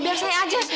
biar saya ajak